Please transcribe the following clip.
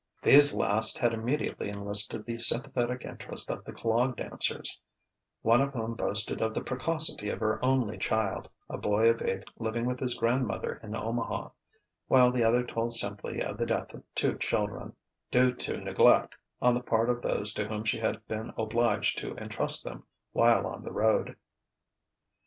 These last had immediately enlisted the sympathetic interest of the clog dancers, one of whom boasted of the precocity of her only child, a boy of eight living with his grandmother in Omaha, while the other told simply of the death of two children, due to neglect on the part of those to whom she had been obliged to entrust them while on the road....